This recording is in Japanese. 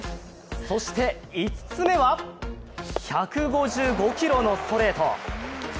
そして５つ目は１５５キロのストレート。